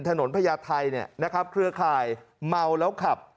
พญาไทยเนี่ยนะครับเครือข่ายเมาแล้วขับ